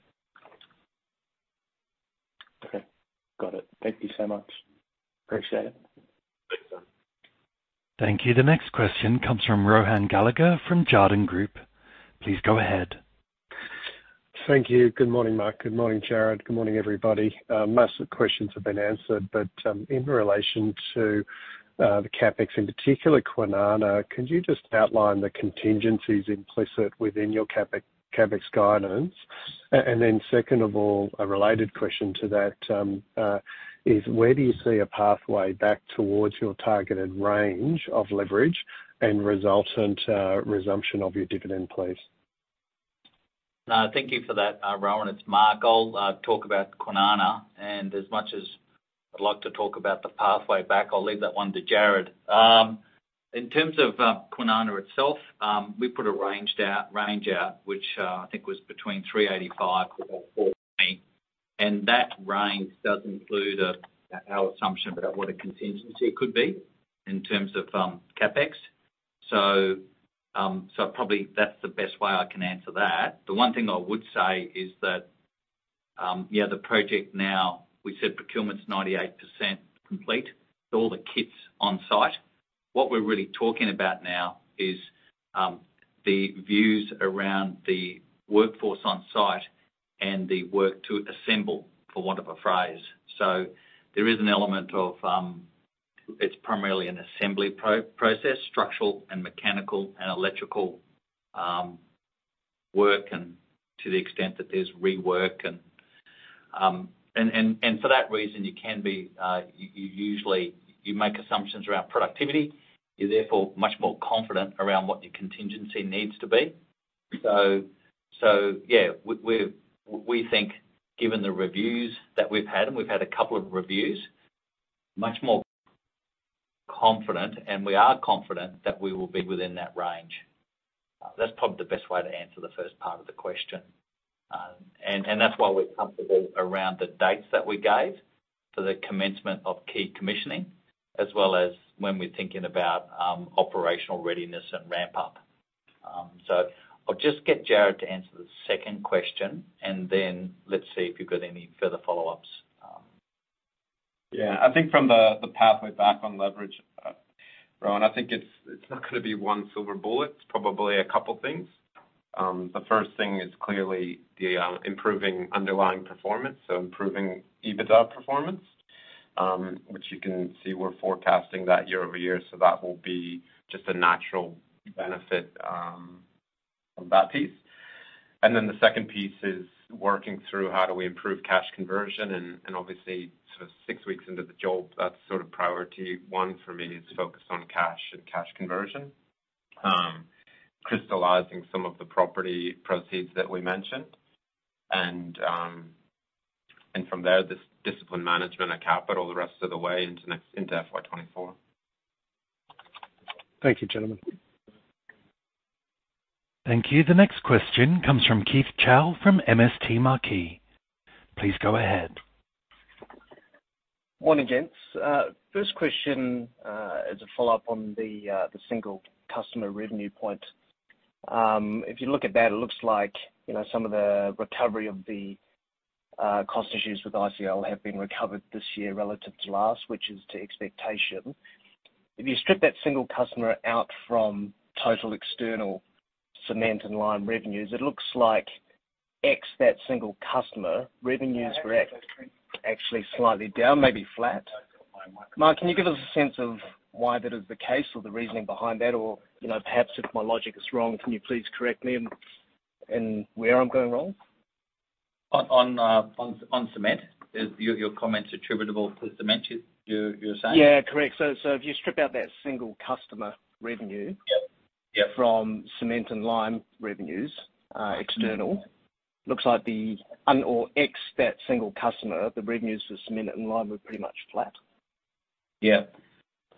Okay. Got it. Thank you so much. Appreciate it. Thanks, Sam. Thank you. The next question comes from Rohan Gallagher from Jarden Group. Please go ahead. Thank you. Good morning, Mark. Good morning, Jared. Good morning, everybody. Most of the questions have been answered, but in relation to the CapEx, in particular, Kwinana, could you just outline the contingencies implicit within your CapEx guidance? And then, second of all, a related question to that, is where do you see a pathway back towards your targeted range of leverage and resultant resumption of your dividend, please? Thank you for that, Rohan. It's Mark. I'll talk about Kwinana, and as much as I'd like to talk about the pathway back, I'll leave that one to Jared. In terms of Kwinana itself, we put a range out, which I think was between 385-420, and that range does include our assumption about what a contingency could be in terms of CapEx. Probably that's the best way I can answer that. The one thing I would say is that, yeah, the project now, we said procurement's 98% complete, so all the kit's on site. What we're really talking about now is the views around the workforce on site and the work to assemble, for want of a phrase. There is an element of, it's primarily an assembly process, structural and mechanical, and electrical, work, and to the extent that there's rework, and for that reason, you can be, you usually make assumptions around productivity, you're therefore much more confident around what your contingency needs to be. Yeah, we think, given the reviews that we've had, and we've had a couple of reviews, much more confident, and we are confident that we will be within that range. That's probably the best way to answer the first part of the question, and that's why we're comfortable around the dates that we gave for the commencement of key commissioning, as well as when we're thinking about, operational readiness and ramp up. I'll just get Jared to answer the second question, and then let's see if you've got any further follow-ups. Yeah, I think from the pathway back on leverage, Rohan, I think it's not gonna be one silver bullet, it's probably a couple of things. The first thing is clearly the improving underlying performance, so improving EBITDA performance, which you can see we're forecasting that year-over-year, so that will be just a natural benefit from that piece. Then the second piece is working through how do we improve cash conversion, and obviously, sort of six weeks into the job, that's sort of priority one for me, is focus on cash and cash conversion. Crystallizing some of the property proceeds that we mentioned, and from there, just disciplined management of capital the rest of the way into FY 2024. Thank you, gentlemen. Thank you. The next question comes from Keith Chau from MST Marquee. Please go ahead. Morning, gents. First question is a follow-up on the single customer revenue point. If you look at that, it looks like, you know, some of the recovery of the cost issues with ICL have been recovered this year relative to last, which is to expectation. If you strip that single customer out from total external cement and lime revenues, it looks like X, that single customer, revenues were actually slightly down, maybe flat. Mark, can you give us a sense of why that is the case or the reasoning behind that? Or, you know, perhaps if my logic is wrong, can you please correct me and where I'm going wrong? On cement, is your comment's attributable to cement, you're saying? Yeah, correct. If you strip out that single customer revenue from cement and lime revenues, external, looks like excluding that single customer, the revenues for cement and lime were pretty much flat. Yeah.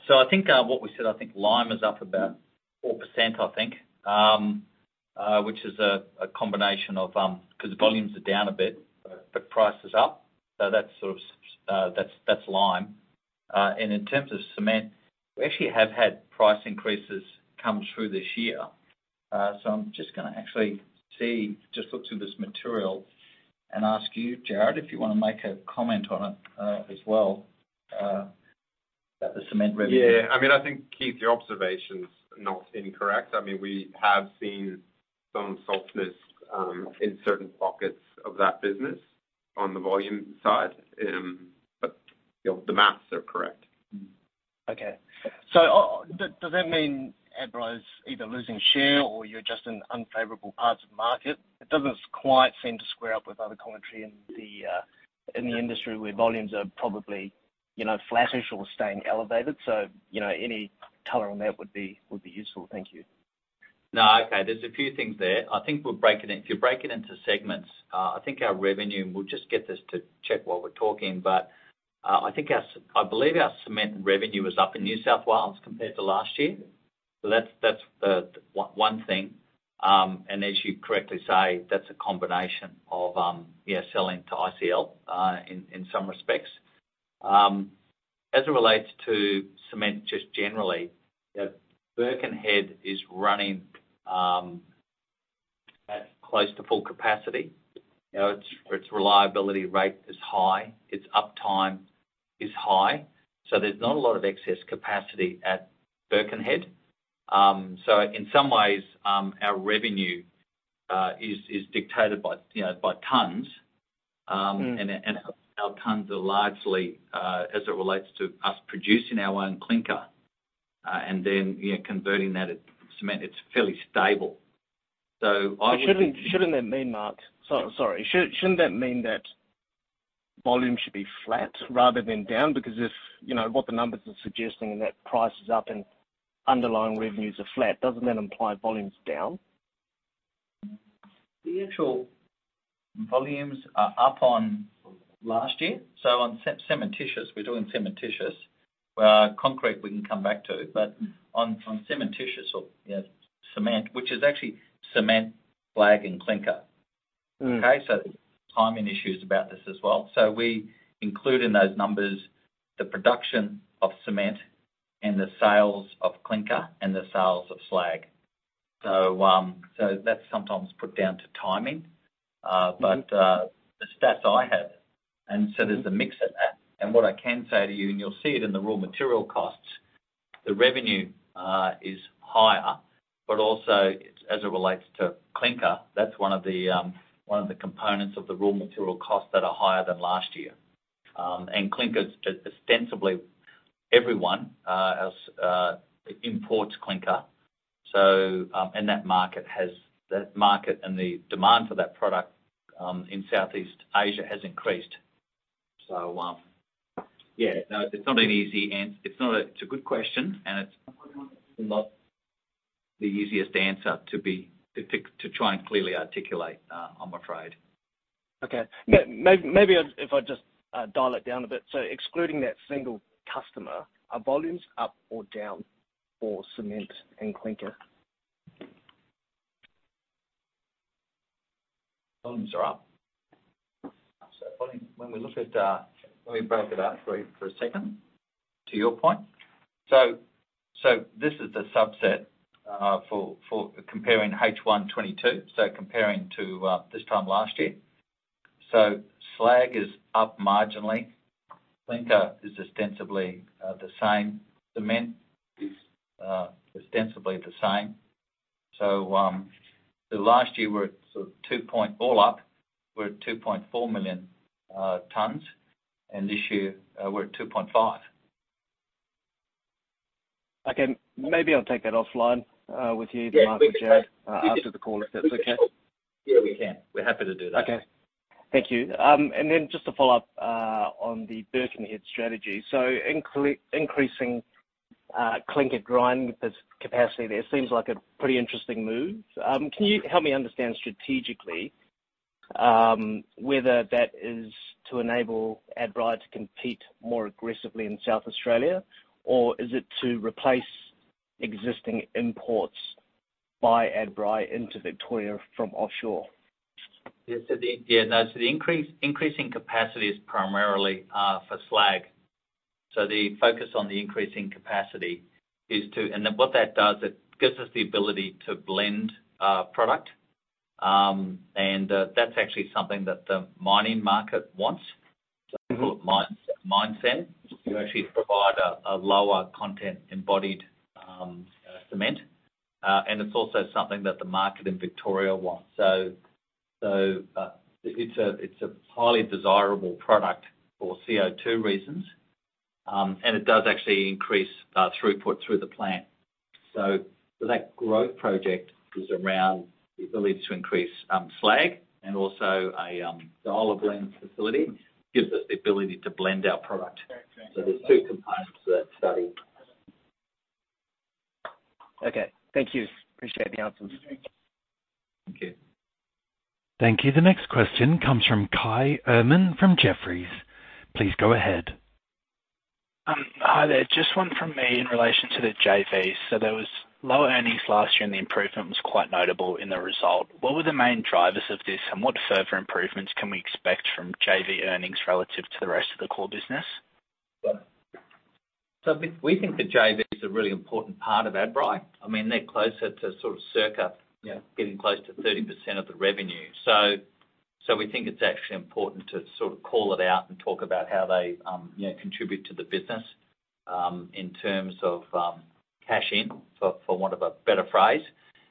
I think, what we said, I think lime is up about 4%, I think. Which is a combination of, 'cause the volumes are down a bit, but price is up, so that's sort of that's lime. In terms of cement, we actually have had price increases come through this year, so I'm just gonna actually see, just look through this material and ask you, Jared, if you wanna make a comment on it, as well, about the cement revenue. Yeah, Keith, your observation's not incorrect. I mean, we have seen some softness in certain pockets of that business on the volume side. But, the math is correct. Okay. Does that mean Adbri is either losing share or you're just in unfavorable parts of market? It doesn't quite seem to square up with other commentary in the industry, where volumes are probably flattish or staying elevated. Any color on that would be useful. Thank you. No, okay. There's a few things there. I think we'll break it, if you break it into segments, I think our revenue, and we'll just get this to check while we're talking, but I think our cement revenue is up in New South Wales compared to last year, so that's the one thing. As you correctly say, that's a combination of, yeah, selling to ICL in some respects. As it relates to cement, just generally, Birkenhead is running at close to full capacity. You know, its reliability rate is high, its uptime is high, so there's not a lot of excess capacity at Birkenhead. So in some ways, our revenue is dictated by, you know, by tonnes. Mm. Our tons are largely as it relates to us producing our own clinker and then converting that at cement. It's fairly stable. Shouldn't that mean, Mark? So, sorry. Shouldn't that mean that volume should be flat rather than down? Because if, you know, what the numbers are suggesting, that price is up and underlying revenues are flat, doesn't that imply volume's down? The actual volumes are up on last year, so on cementitious, we're doing cementitious, concrete, we can come back to. But on cementitious or, you know, cement, which is actually cement, slag, and clinker. Mm. Okay? Timing issues about this as well. So we include in those numbers the production of cement and the sales of clinker and the sales of slag. So that's sometimes put down to timing. Mm. But the stats I have, and so there's a mix of that. What I can say to you, and you'll see it in the raw material costs. The revenue is higher, but also it's, as it relates to clinker, that's one of the components of the raw material costs that are higher than last year, and clinker is just ostensibly everyone else imports clinker. That market has that market and the demand for that product in Southeast Asia has increased, so, it's not an easy it's not a. It's a good question, and it's not the easiest answer to be, to, to try and clearly articulate, on what I tried. Okay. Maybe if I just dial it down a bit. Excluding that single customer, are volumes up or down for cement and clinker? Volumes are up. Volume, when we look at, let me break it up for you for a second, to your point. This is the subset for comparing H1 2022, so comparing to this time last year. So slag is up marginally. Clinker is ostensibly the same. Cement is ostensibly the same, so the last year we're at sort of 2.0 all up, we're at 2.4 million tons, and this year we're at 2.5. Okay, maybe I'll take that offline, with you, Mark and Jared- Yeah, we can. - after the call, if that's okay. Sure, we can. We're happy to do that. Okay. Thank you. Then just to follow up on the Birkenhead strategy. Increasing clinker grind with this capacity there seems like a pretty interesting move. Can you help me understand strategically whether that is to enable Adbri to compete more aggressively in South Australia, or is it to replace existing imports by Adbri into Victoria from offshore? The increasing capacity is primarily for slag. The focus on the increasing capacity is to... And then what that does, it gives us the ability to blend product. That's actually something that the mining market wants, so mining mindset. We actually provide a lower carbon embodied cement, and it's also something that the market in Victoria wants, so it's a highly desirable product for CO2 reasons, and it does actually increase throughput through the plant. That growth project is around the ability to increase slag and also the Altona facility gives us the ability to blend our product, so there's two components to that study. Okay. Thank you. Appreciate the answers. Thank you. Thank you. The next question comes from Kai Erman from Jefferies. Please go ahead. Hi there, just one from me in relation to the JVs. There was low earnings last year, and the improvement was quite notable in the result. What were the main drivers of this, and what further improvements can we expect from JV earnings relative to the rest of the core business? We think the JV is a really important part of Adbri. I mean, they're closer to sort of circa, you know, getting close to 30% of the revenue. We think it's actually important to sort of call it out and talk about how they, you know, contribute to the business in terms of cash in, for want of a better phrase,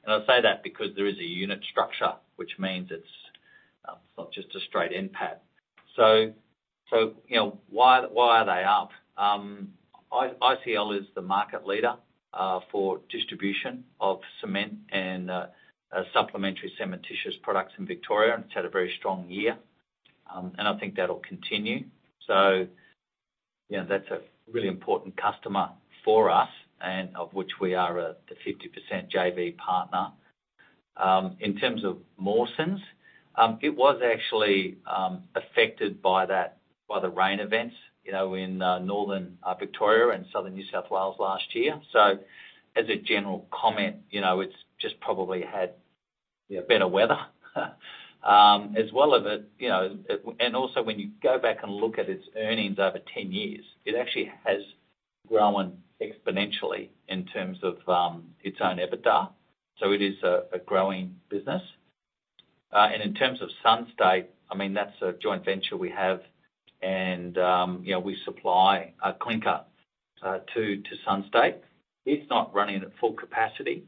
and I say that because there is a unit structure, which means it's not just a straight NPAT. You know, why are they up? ICL is the market leader for distribution of cement and supplementary cementitious products in Victoria, and it's had a very strong year. And I think that'll continue. That's a really important customer for us and of which we are the 50% JV partner. In terms of Mawsons, it was actually affected by that, by the rain events, you know, in northern Victoria and southern New South Wales last year. As a general comment it's just probably had, you know, better weather, as well as a, and also when you go back and look at its earnings over 10 years, it actually has grown exponentially in terms of its own EBITDA. So it is a growing business. In terms of Sunstate, I mean, that's a joint venture we have, and, you know, we supply clinker to Sunstate. It's not running at full capacity,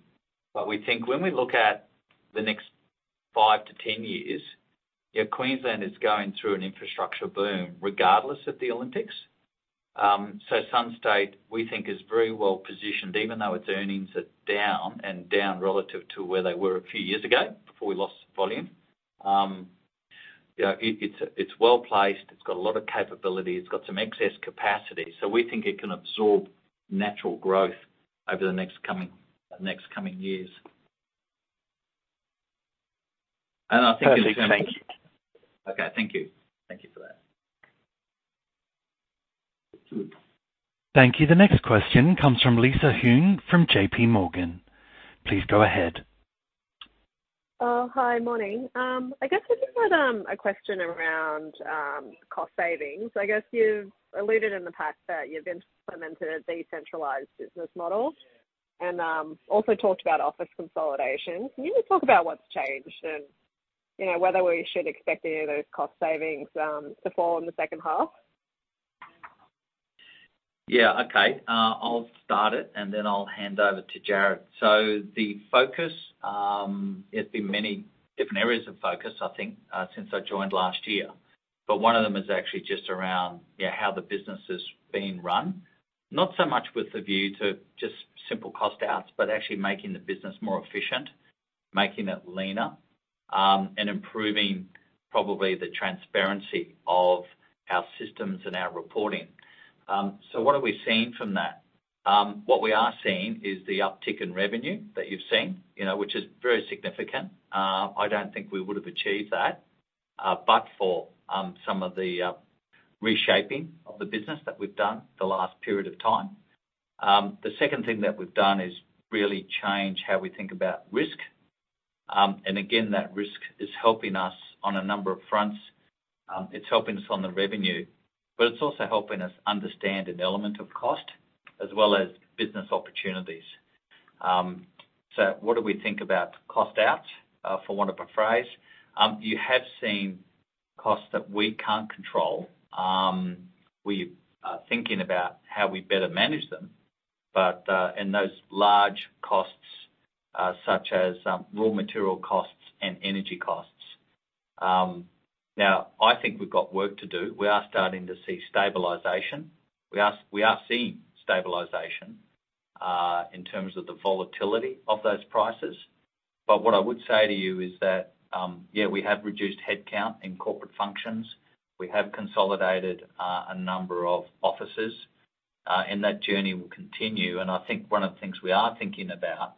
but we think when we look at the next 5-10 years, you know, Queensland is going through an infrastructure boom regardless of the Olympics. Sunstate, we think, is very well-positioned, even though its earnings are down, and down relative to where they were a few years ago before we lost volume. You know, it, it's, it's well-placed, it's got a lot of capability, it's got some excess capacity, so we think it can absorb natural growth over the next coming, the next coming years. And I think in terms of- Perfect. Thank you. Okay, thank you. Thank you for that. Thank you. The next question comes from Lisa Huynh, from JP Morgan. Please go ahead. Hi, morning. I guess I just had a question around cost savings. I guess you've alluded in the past that you've implemented a decentralized business model and also talked about office consolidation. Can you just talk about what's changed and, you know, whether we should expect any of those cost savings to fall in the second half? Yeah, okay. I'll start it, and then I'll hand over to Jared. The focus, there's been many different areas of focus, I think, since I joined last year. But one of them is actually just around, yeah, how the business is being run. Not so much with the view to just simple cost outs, but actually making the business more efficient, making it leaner, and improving probably the transparency of our systems and our reporting. So what are we seeing from that? What we are seeing is the uptick in revenue that you've seen, you know, which is very significant. I don't think we would have achieved that, but for, some of the, reshaping of the business that we've done the last period of time. The second thing that we've done is really change how we think about risk. Again, that risk is helping us on a number of fronts. It's helping us on the revenue, but it's also helping us understand an element of cost as well as business opportunities. So what do we think about cost out, for want of a phrase? You have seen costs that we can't control. We are thinking about how we better manage them, but and those large costs, such as raw material costs and energy costs. Now, I think we've got work to do. We are starting to see stabilization. We are, we are seeing stabilization in terms of the volatility of those prices. But what I would say to you is that, yeah, we have reduced headcount in corporate functions. We have consolidated a number of offices, and that journey will continue. And I think one of the things we are thinking about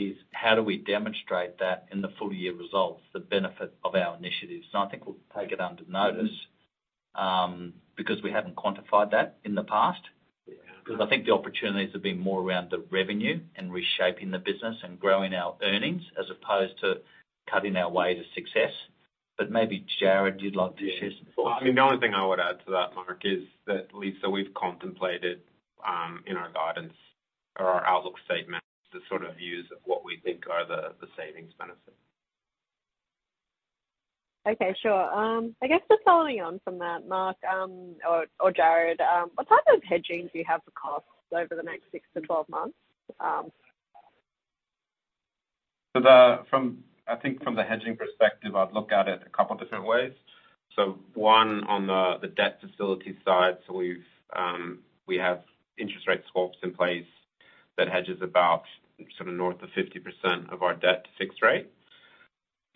is, how do we demonstrate that in the full year results, the benefit of our initiatives? And I think we'll take it under notice, because we haven't quantified that in the past, because I think the opportunities have been more around the revenue and reshaping the business and growing our earnings, as opposed to cutting our way to success. But maybe, Jared, you'd like to share some thoughts. I mean, the only thing I would add to that, Mark, is that Lisa, we've contemplated in our guidance or our outlook statement the sort of views of what we think are the savings benefits. Okay, sure. I guess just following on from that, Mark, or Jared, what type of hedging do you have for costs over the next 6-12 months? From the hedging perspective, I'd look at it a couple of different ways. So one, on the debt facility side, so we have interest rate swaps in place that hedges about sort of north of 50% of our debt to fixed rate.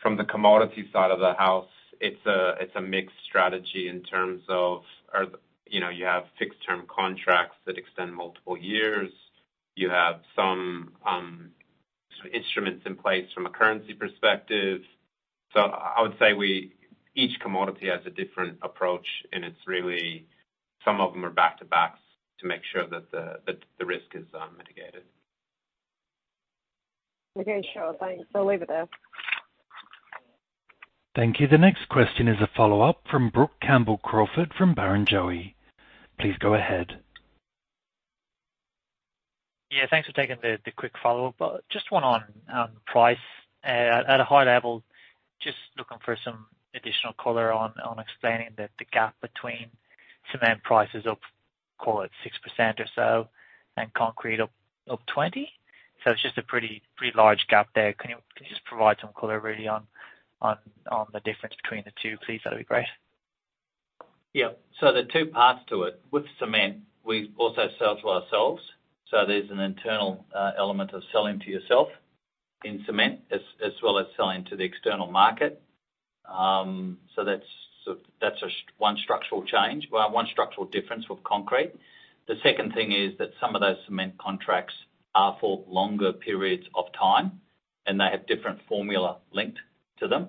From the commodity side of the house, it's a mixed strategy in terms of, you know, you have fixed term contracts that extend multiple years. You have some sort of instruments in place from a currency perspective. So I would say we, each commodity has a different approach, and it's really some of them are back to backs to make sure that the risk is mitigated. Okay, sure. Thanks. I'll leave it there. Thank you. The next question is a follow-up from Brooke Campbell-Crawford, from Barrenjoey. Please go ahead. Yeah, thanks for taking the, the quick follow-up. Just one on price. At a high level, just looking for some additional color on explaining the, the gap between cement prices up, call it 6% or so, and concrete up, up 20%. So it's just a pretty, pretty large gap there. Can you, can you just provide some color really on, on, on the difference between the two, please? That'd be great. Yeah. So there are two parts to it. With cement, we also sell to ourselves, so there's an internal element of selling to yourself in cement, as well as selling to the external market. So that's one structural change, well, one structural difference with concrete. The second thing is that some of those cement contracts are for longer periods of time, and they have different formula linked to them.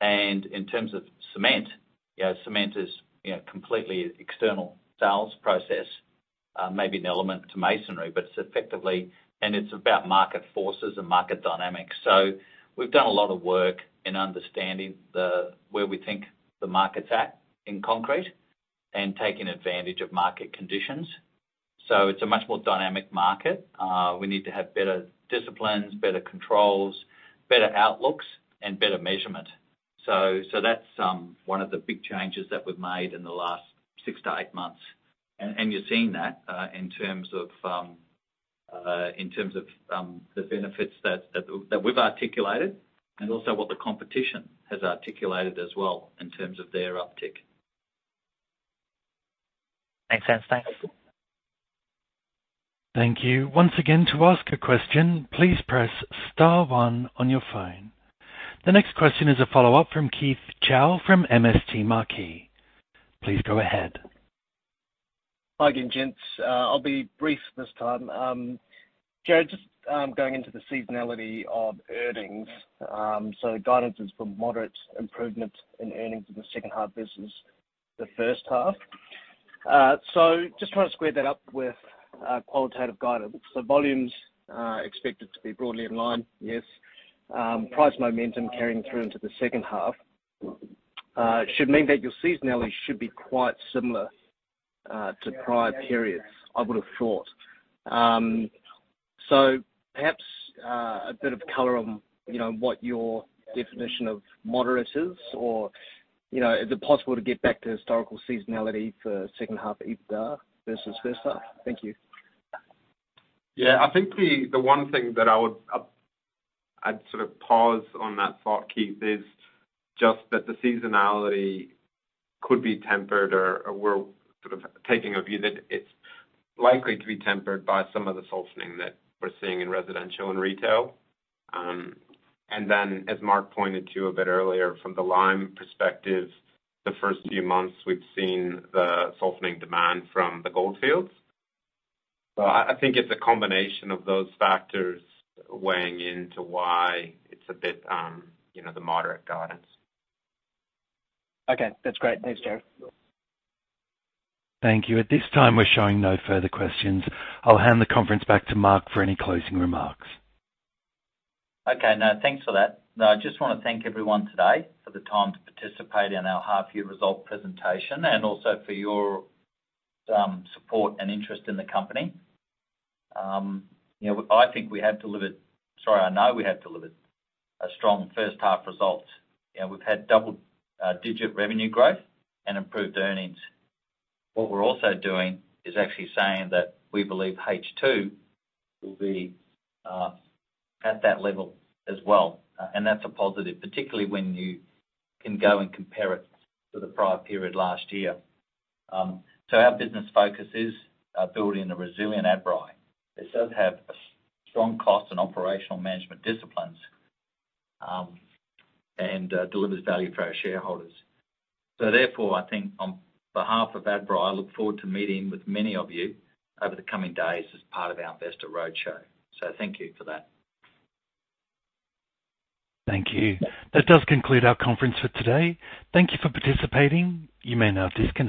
And in terms of cement, yeah, cement is, you know, completely external sales process, maybe an element to masonry, but it's effectively, and it's about market forces and market dynamics. So we've done a lot of work in understanding where we think the market's at in concrete and taking advantage of market conditions. So it's a much more dynamic market. We need to have better disciplines, better controls, better outlooks, and better measurement. So that's one of the big changes that we've made in the last 6-8 months. And you're seeing that in terms of the benefits that we've articulated and also what the competition has articulated as well in terms of their uptick. Makes sense. Thanks. Thank you. Once again, to ask a question, please press star one on your phone. The next question is a follow-up from Keith Chow from MST Marquee. Please go ahead. Hi again, gents. I'll be brief this time. Jared, just going into the seasonality of earnings, so guidance is for moderate improvement in earnings in the second half versus the first half. So just trying to square that up with qualitative guidance. So volumes expected to be broadly in line, yes. Price momentum carrying through into the second half? Should mean that your seasonality should be quite similar to prior periods, I would have thought. So perhaps a bit of color on, you know, what your definition of moderate is, or, you know, is it possible to get back to historical seasonality for second half EBITDA versus first half? Thank you. Yeah, I think the one thing that I would, I'd sort of pause on that thought, Keith, is just that the seasonality could be tempered, or we're sort of taking a view that it's likely to be tempered by some of the softening that we're seeing in residential and retail. And then, as Mark pointed to a bit earlier from the lime perspective, the first few months we've seen the softening demand from the Goldfields. So I think it's a combination of those factors weighing into why it's a bit, you know, the moderate guidance. Okay. That's great. Thanks, Jared. Thank you. At this time, we're showing no further questions. I'll hand the conference back to Mark for any closing remarks. Okay, now, thanks for that. Now, I just want to thank everyone today for the time to participate in our half-year result presentation and also for your support and interest in the company. You know, I think we have delivered. Sorry, I know we have delivered a strong first-half result, and we've had double-digit revenue growth and improved earnings. What we're also doing is actually saying that we believe H2 will be at that level as well, and that's a positive, particularly when you can go and compare it to the prior period last year. So our business focus is building a resilient Adbri. It does have a strong cost and operational management disciplines, and delivers value for our shareholders. Therefore, I think on behalf of Adbri, I look forward to meeting with many of you over the coming days as part of our Investor Roadshow. So thank you for that. Thank you. That does conclude our conference for today. Thank you for participating. You may now disconnect.